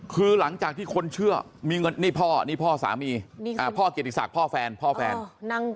คือหลังจากที่คนเชื่อมีเงินนี่พ่อนี่พ่อสามีพ่อเกียรติศักดิ์พ่อแฟนพ่อแฟน